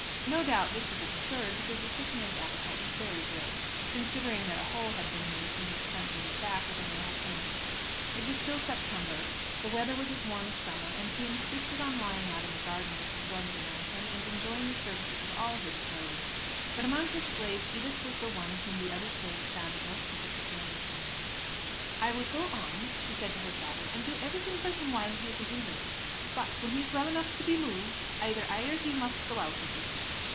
No doubt this was absurd, because the sick man's appetite was very good, considering that a hole had been made from his front to his back within the last month. It was still September, the weather was as warm as summer, and he insisted on lying out in the garden with his rugs around him, and enjoying the service of all his slaves. But among his slaves Edith was the one whom the other slaves found it most difficult to understand. "I will go on," she said to her father, "and do everything for him while he is an invalid. But, when he is well enough to be moved, either he or I must go out of this."